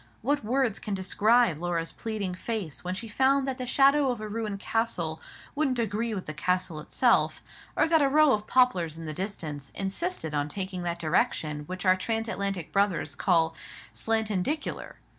What words can describe Laura's pleading face when she found that the shadow of a ruined castle wouldn't agree with the castle itself, or that a row of poplars in the distance insisted on taking that direction which our transatlantic brothers call "slantindicular?"